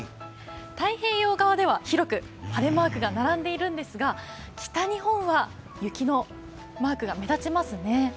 太平洋側では広く晴れマークが並んでいるんですが北日本は雪のマークが目立ちますね。